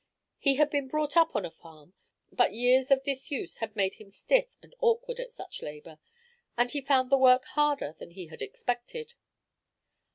He had been brought up on a farm, but years of disuse had made him stiff and awkward at such labor, and he found the work harder than he had expected.